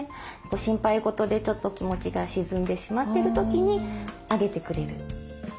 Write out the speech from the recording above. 心配事でちょっと気持ちが沈んでしまってる時に上げてくれる。